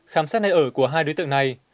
khám xét nơi ở của hai đối tượng này